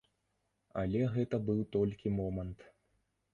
Але гэта быў толькі момант.